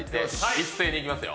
一斉にいきますよ。